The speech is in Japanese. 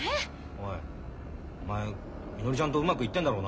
おいお前みのりちゃんとうまくいってんだろうな？